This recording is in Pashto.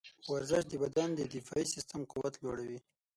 ورزش د بدن د دفاعي سیستم قوت لوړوي.